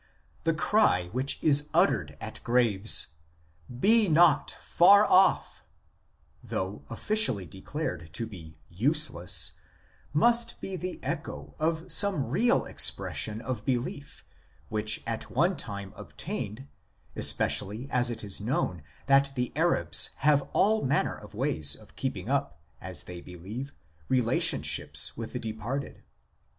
The cry which is uttered at graves, " Be not far off," though officially declared to be useless, must be the echo of some real expres sion of belief which at one time obtained, especially as it is known that the Arabs have all manner of ways of keeping up, as they believe, relationships with the departed.